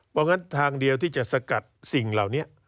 เพราะงั้นทางเดียวที่จะสกัดสิ่งเหล่านี้